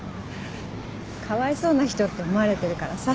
かわいそうな人って思われてるからさ。